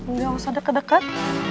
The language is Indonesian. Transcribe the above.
nggak usah deket deket